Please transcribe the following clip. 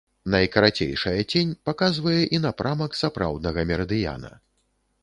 Найкарацейшая цень паказвае і напрамак сапраўднага мерыдыяна.